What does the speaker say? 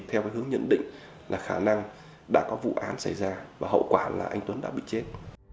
theo hướng nhận định là khả năng đã có vụ án xảy ra và hậu quả là anh tuấn đã bị chết